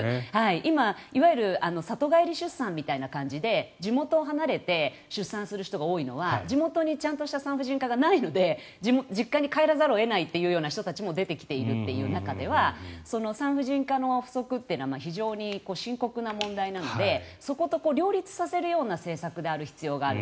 今、いわゆる里帰り出産みたいな感じで地元を離れて出産する人が多いのは地元にちゃんとした産婦人科がないので実家に帰らざるを得ない人たちも出てきているという中では産婦人科の不足というのは非常に深刻な問題なのでそこと両立させるような政策である必要がある。